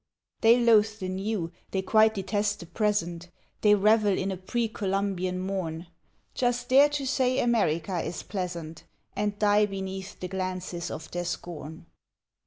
They loathe the new, they quite detest the present; They revel in a pre Columbian morn; Just dare to say America is pleasant, And die beneath the glances of their scorn.